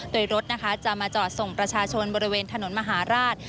โดยรถนะคะจะมาจอดส่งประชาชนบริเวณถนนมหาราช